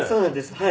はい。